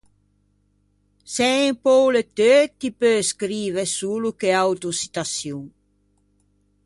Se en poule teu, ti peu scrive solo che «Autoçittaçion».